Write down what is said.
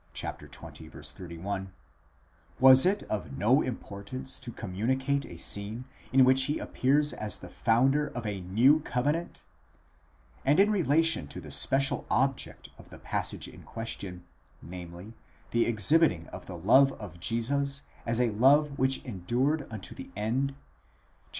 31), was it of no importance to communicate a scene in which he appears as the founder of a mew covenant, καινὴ διαθήκη ὃ and in relation to the special object of the passage in question, namely, the exhibiting of the love of Jesus as a love which endured unto the end (xiii.